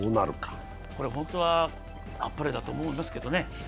これ本当はあっぱれだと思うんですけどね。